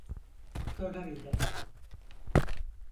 Tornavida.